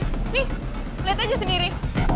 nih liat aja sendiri